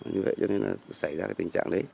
như vậy cho nên là xảy ra cái tình trạng đấy